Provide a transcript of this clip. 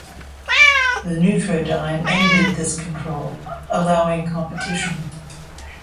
The Neutrodyne ended this control, allowing competition.